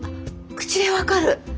口で分かる！？